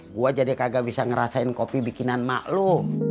gue jadi kagak bisa ngerasain kopi bikinan mak lu